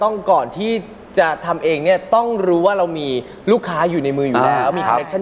ไปกันที่ท่านต่อไปนะครับคุณเก็ตเกมิลมูซิริคุณเกวครับ